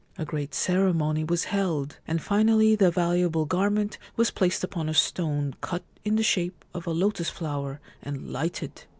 A great ceremony was held, and finally the valuable garment was placed upon a stone cut in the shape of a lotus flower and lighted.